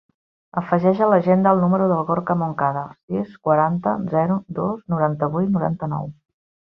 Afegeix a l'agenda el número del Gorka Moncada: sis, quaranta, zero, dos, noranta-vuit, noranta-nou.